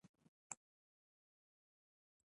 ننګرهار د افغانستان په ستراتیژیک اهمیت کې رول لري.